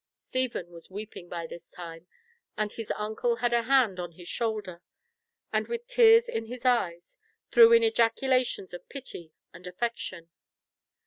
Stephen was weeping by this time, and his uncle had a hand on his shoulder, and with tears in his eyes, threw in ejaculations of pity and affection.